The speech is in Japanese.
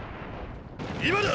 今だ！！